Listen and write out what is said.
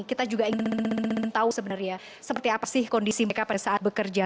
kita juga ingin tahu sebenarnya seperti apa sih kondisi mereka pada saat bekerja